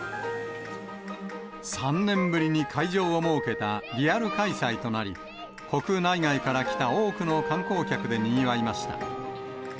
３年ぶりに会場を設けたリアル開催となり、国内外から来た多くの観光客でにぎわいました。